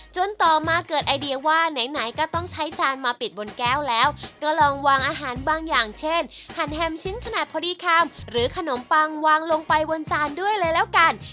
จนต่อมาเกิดไอเดียว่าไหนก็ต้องใช้จานมาปิดบนแก้วแล้วก็ลองวางอาหารบางอย่างเช่นหันแฮมชิ้นขนาดพอดีคำหรือขนมปังวางลงไปบนจานด้วยเลยแล้วกัน